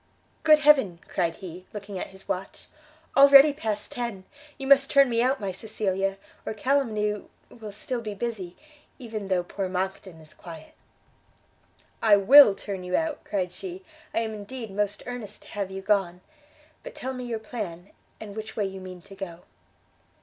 "Good Heaven!" cried he, looking at his watch, "already past ten! you must turn me out, my Cecilia, or calumny will still be busy, even though poor Monckton is quiet." "I will turn you out," cried she, "I am indeed most earnest to have you gone. But tell me your plan, and which way you mean to go?"